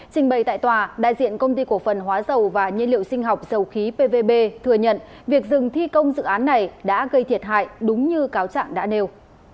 trình bày tại tòa đại diện công ty cổ phần hóa dầu và nhiên liệu sinh học dầu khí pvb thừa nhận việc dừng thi công dự án này đã gây thiệt hại đúng như cáo trạng đã nêu